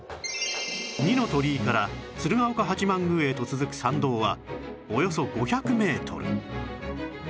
二ノ鳥居から鶴岡八幡宮へと続く参道はおよそ５００メートル